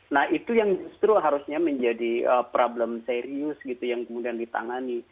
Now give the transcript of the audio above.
nah itu yang justru harusnya menjadi problem serius gitu yang kemudian ditangani